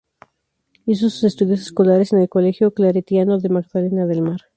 Hizo sus estudios escolares en el Colegio Claretiano de Magdalena del Mar.